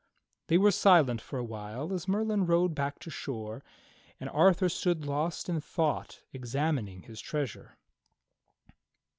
They were silent for a while as Merlin rowed back to shore, and Arthur stood lost in thought examining his treasure.